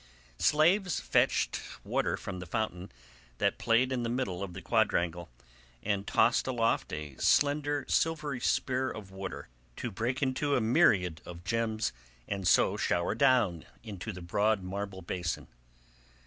Slaves fetched water from the fountain that played in the middle of the quadrangle and tossed aloft a slender silvery spear of water to break into a myriad gems and so shower down into the broad marble basin.